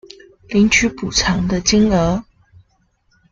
領取補償的金額